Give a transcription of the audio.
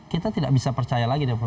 kita tidak bisa percaya lagi